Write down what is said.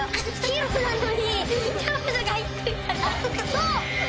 ・そう。